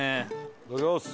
いただきます。